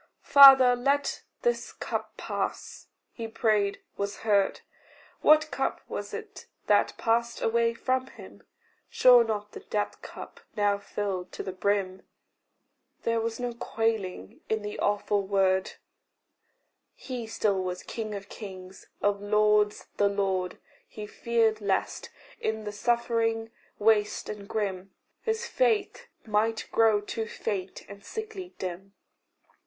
"Father, let this cup pass." He prayed was heard. What cup was it that passed away from him? Sure not the death cup, now filled to the brim! There was no quailing in the awful word; He still was king of kings, of lords the lord: He feared lest, in the suffering waste and grim, His faith might grow too faint and sickly dim.